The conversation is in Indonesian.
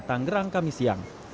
tanggerang kami siang